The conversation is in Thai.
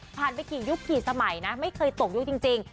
ไปกี่ยุคกี่สมัยนะไม่เคยตกยุคจริง